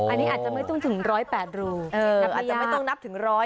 อันนี้อาจจะไม่ต้องถึง๑๐๘รูอาจจะไม่ต้องนับถึง๑๐๐